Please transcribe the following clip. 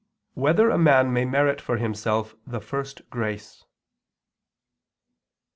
5] Whether a Man May Merit for Himself the First Grace?